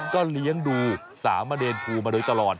ก็เลี้ยงดูสามเณรภูมาโดยตลอด